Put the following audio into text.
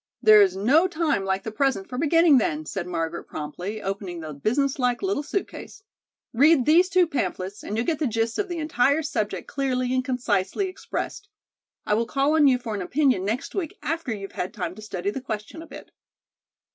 "There is no time like the present for beginning, then," said Margaret promptly, opening the business like little suit case. "Read these two pamphlets and you'll get the gist of the entire subject clearly and concisely expressed. I will call on you for an opinion next week after you've had time to study the question a bit."